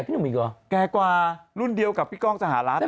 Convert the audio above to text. หนุ่มอีกเหรอแก่กว่ารุ่นเดียวกับพี่ก้องสหรัฐ